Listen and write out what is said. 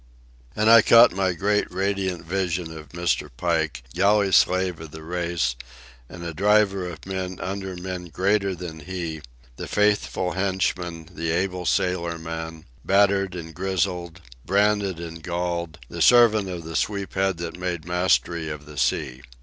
" And I caught my great, radiant vision of Mr. Pike, galley slave of the race, and a driver of men under men greater than he; the faithful henchman, the able sailorman, battered and grizzled, branded and galled, the servant of the sweep head that made mastery of the sea.